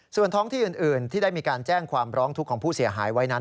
ส่วนท้องที่อื่นที่ได้มีการแจ้งความร้องทุกข์ของผู้เสียหายไว้นั้น